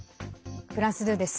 フランス２です。